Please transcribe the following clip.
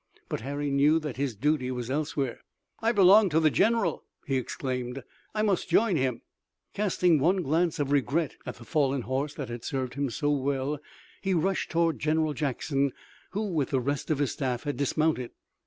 But Harry knew that his duty was elsewhere. "I belong to the general!" he exclaimed. "I must join him!" Casting one glance of regret at the fallen horse that had served him so well he rushed toward General Jackson, who with the rest of his staff had dismounted.